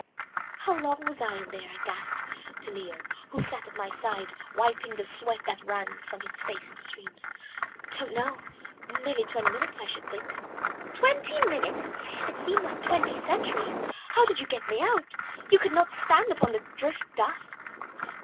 "How long was I in there?" I gasped to Leo, who sat at my side, wiping off the sweat that ran from his face in streams. "Don't know. Nearly twenty minutes, I should think." "Twenty minutes! It seemed like twenty centuries. How did you get me out? You could not stand upon the drift dust."